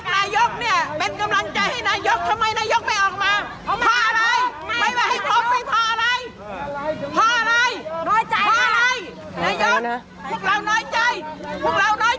ทำไมไม่ให้เราพบเนี่ยเพราะอะไรเนี่ย